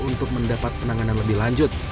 untuk mendapat penanganan lebih lanjut